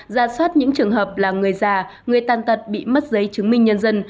ra soát những trường hợp là người già người tan tật bị mất giấy chứng minh nhân dân